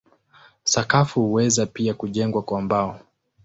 Sakafu huweza pia kujengwa kwa mbao.